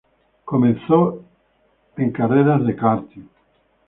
Comenzó en carreras de karting.